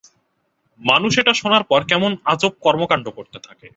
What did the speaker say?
মানুষ এটা শোনার পর, কেমন আজব কর্মকান্ড করতে থাকে।